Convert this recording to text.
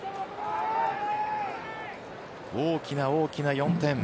大きな大きな４点。